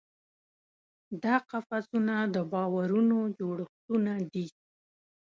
دا قفسونه د باورونو جوړښتونه دي.